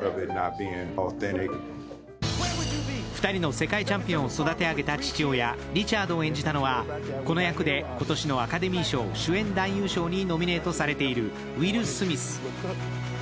２人の世界チャンピオンを育て上げた父親・リチャードを演じたのはこの役で今年のアカデミー賞主演男優賞にノミネートされているウィル・スミス。